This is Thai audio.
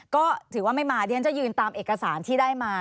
ก็ถือว่าไม่มาเดี๋ยวฉันจะยืนตามเอกสารที่ได้มา